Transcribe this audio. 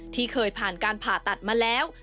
ที่เคยผ่านการผ่าตัดมาแล้ว